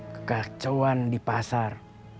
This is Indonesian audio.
kekacauan di pasar